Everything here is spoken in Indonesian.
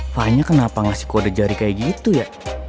vanya kenapa ga sih kode jari kaya gitu ya